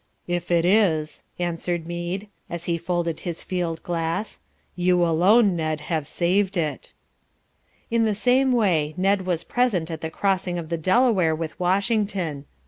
"If it is," answered Meade, as he folded his field glass, "you alone, Ned, have saved it." In the same way Ned was present at the crossing of the Delaware with Washington.